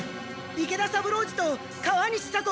池田三郎次と川西左近